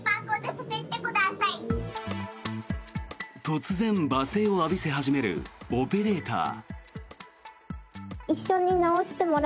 突然、罵声を浴びせ始めるオペレーター。